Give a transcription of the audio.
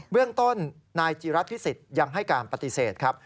เรื่องต้นนายจีรัฐพิสิทธิ์ยังให้การปฏิเสธครับ